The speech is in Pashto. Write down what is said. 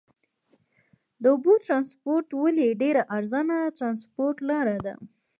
د اوبو ترانسپورت ولې ډېره ارزانه ترانسپورت لار ده؟